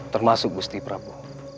termasuk gusti prabu